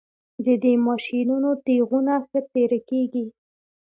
د دې ماشینونو تیغونه ښه تیره کیږي